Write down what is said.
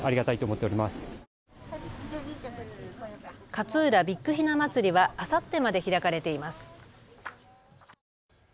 かつうらビッグひな祭りはあさってまで開かれています。